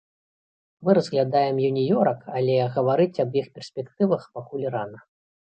Мы разглядаем юніёрак, але гаварыць аб іх перспектывах пакуль рана.